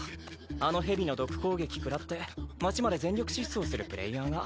あの蛇の毒攻撃くらって街まで全力疾走するプレイヤーが。